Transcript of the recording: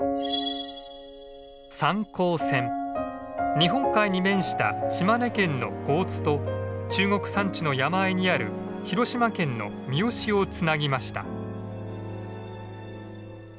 日本海に面した島根県の江津と中国山地の山あいにある広島県の三次をつなぎました。